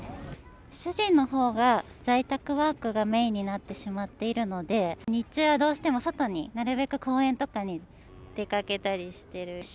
主人のほうが在宅ワークがメインになってしまっているので、日中はどうしても外になるべく公園とかに出かけたりしてる。